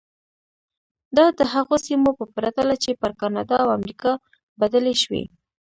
دا د هغو سیمو په پرتله چې پر کاناډا او امریکا بدلې شوې.